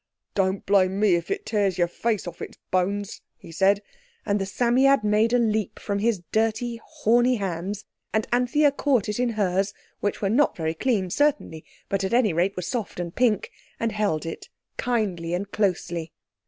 "Don't blame me if it tears your face off its bones," he said, and the Psammead made a leap from his dirty horny hands, and Anthea caught it in hers, which were not very clean, certainly, but at any rate were soft and pink, and held it kindly and closely.